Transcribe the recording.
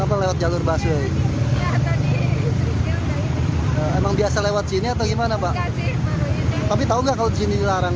emang biasa lewat sini atau gimana pak tapi tahu nggak kalau di sini larang